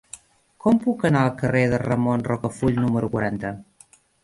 Com puc anar al carrer de Ramon Rocafull número quaranta?